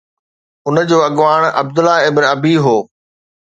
ان جو اڳواڻ عبدالله ابن ابي هو